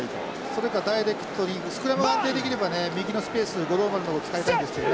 それかダイレクトにスクラムが安定できればね右のスペース五郎丸の所使いたいんですけどね。